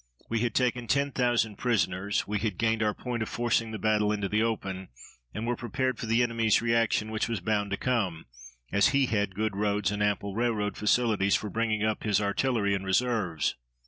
We had taken 10,000 prisoners, we had gained our point of forcing the battle into the open, and were prepared for the enemy's reaction, which was bound to come, as he had good roads and ample railroad facilities for bringing up his artillery and reserves.